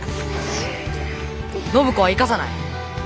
暢子は行かさない。